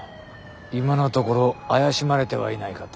今のところ怪しまれてはいないかと。